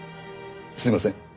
すいません。